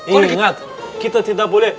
ingat kita tidak boleh